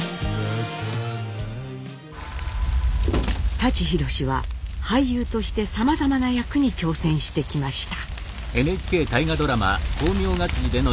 舘ひろしは俳優としてさまざまな役に挑戦してきました。